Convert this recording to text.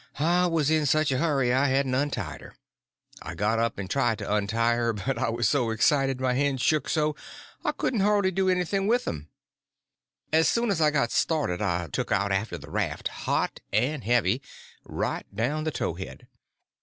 I was in such a hurry I hadn't untied her. I got up and tried to untie her, but I was so excited my hands shook so I couldn't hardly do anything with them. As soon as I got started I took out after the raft, hot and heavy, right down the towhead.